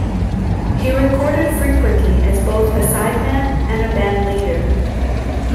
He recorded frequently as both a sideman and a bandleader.